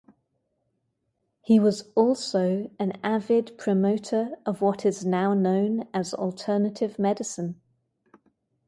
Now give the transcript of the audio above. He was also an avid promoter of what is now known as alternative medicine.